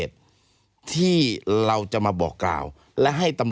ใช่หรือได้ก็แล้วแต่